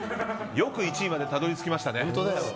よく１位までたどり着きましたね。